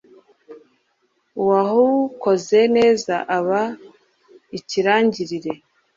uwawukoze neza aba ikirangirire